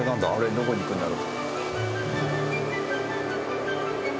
どこに行くんだろう？